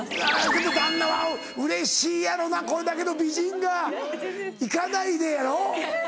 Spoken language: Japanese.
けど旦那はうれしいやろなこれだけの美人が「行かないで」やろ。